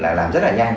là làm rất là nhanh